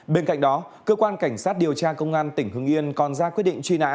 bên cạnh đó cơ quan cảnh sát điều tra công an tỉnh hưng yên còn ra quyết định truy nã